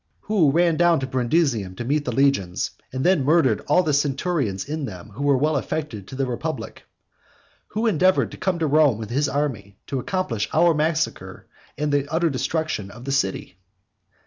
who ran down to Brundusium to meet the legions, and then murdered all the centurions in them who were well affected to the republic? who endeavoured to come to Rome with his army to accomplish our massacre and the utter destruction of the city?